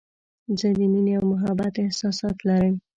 زه د مینې او محبت احساسات لري.